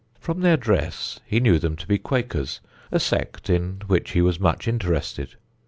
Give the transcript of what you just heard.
From their dress he knew them to be Quakers, a sect in which he was much interested.